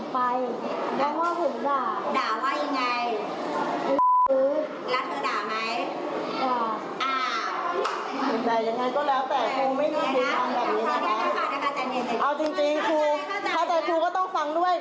เข้าใจครูก็ต้องฟังด้วย